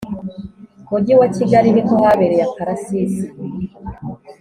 Mujyi wa Kigali niko habereye akarasisi